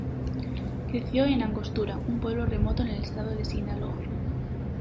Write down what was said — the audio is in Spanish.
Creció en Angostura, un pueblo remoto en el Estado de Sinaloa.